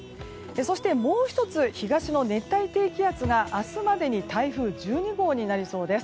そして、もう１つ東の熱帯低気圧が明日までに台風１２号になりそうです。